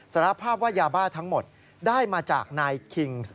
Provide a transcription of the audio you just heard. สารภาพว่ายาบ้าทั้งหมดได้มาจากนายคิงส์